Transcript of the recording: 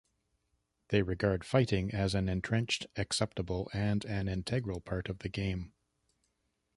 They regard fighting as an entrenched, acceptable and an integral part of the game.